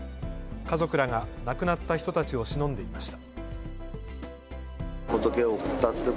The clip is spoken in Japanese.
家族らが亡くなった人たちをしのんでいました。